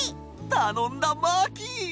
たのんだマーキー！